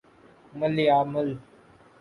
Malayalam